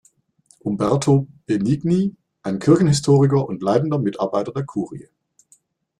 Umberto Benigni, ein Kirchenhistoriker und leitender Mitarbeiter der Kurie.